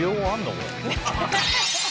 これ。